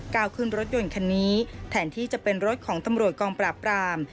ขึ้นรถยนต์คันนี้แทนที่จะเป็นรถของตำรวจกองปราบราม